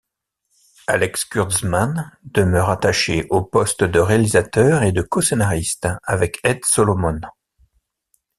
Alex Kurtzman demeure attaché au poste de réalisateur et de co-scénariste, avec Ed Solomon.